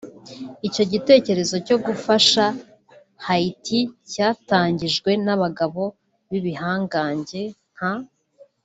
Icyo gitekerezo cyo gufasha Haiti cyatangijwe n'abagabo b’ibihangange nka